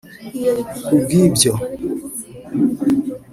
Kubw’ibyo